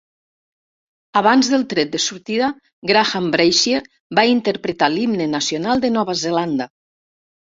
Abans del tret de sortida, Graham Brazier va interpretar l'himne nacional de Nova Zelanda.